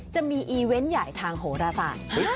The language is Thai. จะมีอีเวนต์ใหญ่ทางโหรศาสตร์